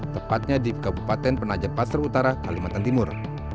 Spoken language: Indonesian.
tepatnya di kabupaten penajepasar utara kalimantan timur